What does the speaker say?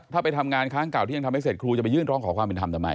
ถ้าไปทำงานครั้งเก่าที่ยังทำให้เสร็จครูจะไปยื่นร้องขอความเป็นธรรมทำไม